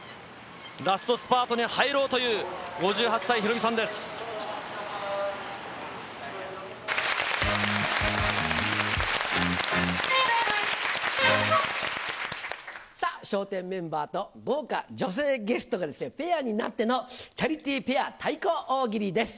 ラストスパートに入ろうという、さあ、笑点メンバーと豪華女性ゲストがペアになってのチャリティーペア対抗大喜利です。